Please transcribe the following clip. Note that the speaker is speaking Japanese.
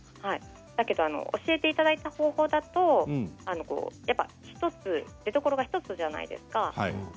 だけど教えていただいた方法だと出どころが１つじゃないですか。